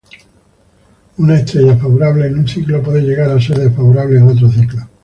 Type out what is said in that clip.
Una estrella favorable en un ciclo puede llegar a ser desfavorable en otro ciclo.